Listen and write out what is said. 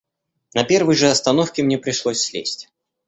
На первой же остановке мне пришлось слезть.